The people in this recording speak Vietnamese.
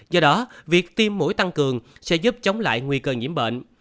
do đó việc tiêm mũi tăng cường sẽ giúp chống lại nguy cơ nhiễm bệnh